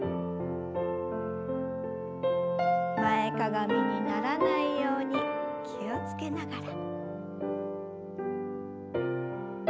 前かがみにならないように気を付けながら。